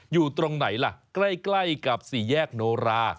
อยู่ตรงไหนล่ะใกล้กับสี่แยกโนรา